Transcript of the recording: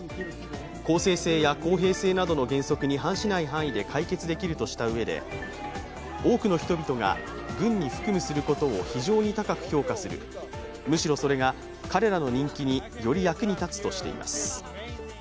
公正性や公平性などの原則に反しない範囲で解決できるとしたうえで多くの人々が軍に服務することを非常に高く評価するむしろそれが彼らの人気により役に立つとしています。